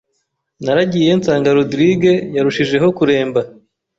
Naragiye nsanga Rodrigue yarushijeho kuremba